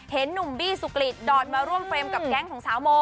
เห็นหนุ่มบี้สุกริตดอดมาร่วมเฟรมกับแก๊งของสาวโม